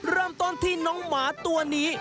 เริ่มต้นที่น้องหมาตัวนี้